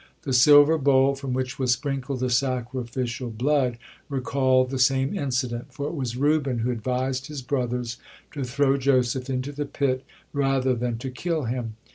The silver bowl, from which was sprinkled the sacrificial blood, recalled the same incident, for it was Reuben who advised his brothers to throw Joseph into the pit rather than to kill him.